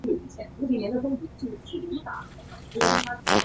疏毛长蒴苣苔为苦苣苔科长蒴苣苔属下的一个变种。